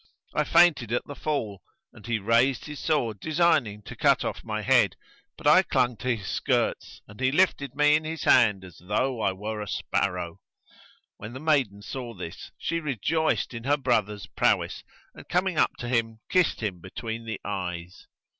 I fainted at the fall and he raised his sword designing to cut off my head; but I clung to his skirts, and he lifted me in his hand as though I were a sparrow. When the maiden saw this, she rejoiced in her brother's prowess and coming up to him, kissed him between the eyes.